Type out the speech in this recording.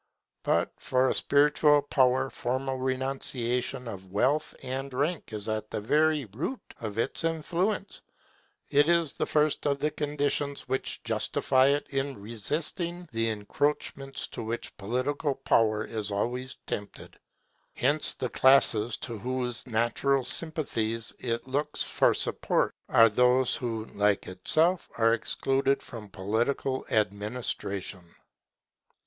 But for a spiritual power formal renunciation of wealth and rank is at the very root of its influence; it is the first of the conditions which justify it in resisting the encroachments to which political power is always tempted. Hence the classes to whose natural sympathies it looks for support are those who, like itself, are excluded from political administration.